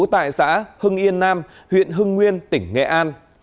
tại xã hưng yên nam huyện hưng nguyên tỉnh nghệ an